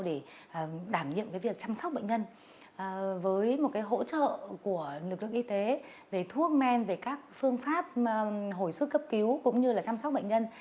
để đảm nhiệm việc chăm sóc bệnh nhân với một hỗ trợ của lực lượng y tế về thuốc men về các phương pháp hồi sức cấp cứu cũng như là chăm sóc bệnh nhân